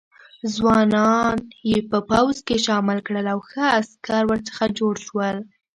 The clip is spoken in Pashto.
ځوانان یې په پوځ کې شامل کړل او ښه عسکر ورڅخه جوړ شول.